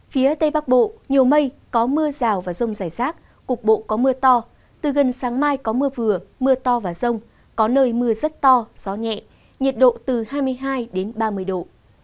phía tây bắc bộ nhiều mây có mưa rào và rông rải rác cục bộ có mưa to từ gần sáng mai có mưa vừa mưa to và rông có nơi mưa rất to gió nhẹ nhiệt độ từ hai mươi hai đến ba mươi độ